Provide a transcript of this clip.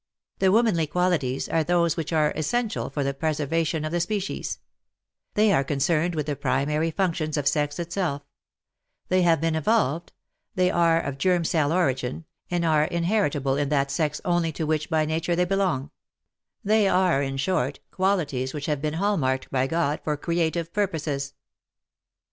The womanly qualities are those which are essential for the preservatio7t of the species ; they are concerned with the primary functions of sex itself ; they have been evolved ; they are of germ cell origin, and are inheritable in that sex only to which by nature they belong ; they are, in short, qualities which have been hall marked by God for creative purposes.